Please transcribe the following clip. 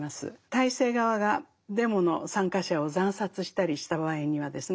体制側がデモの参加者を惨殺したりした場合にはですね